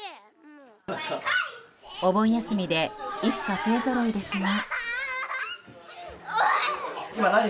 お盆休みで一家勢ぞろいですが。